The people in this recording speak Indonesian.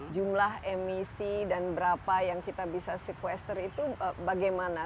jumlah emisi dan berapa yang kita bisa sequester itu bagaimana